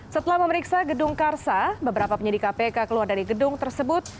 setelah memeriksa gedung karsa beberapa penyidik kpk keluar dari gedung tersebut